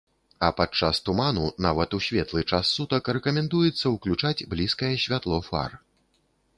А падчас туману нават у светлы час сутак рэкамендуецца ўключаць блізкае святло фар.